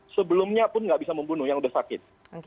sebelumnya pun enggak bisa membunuh yang sudah sakit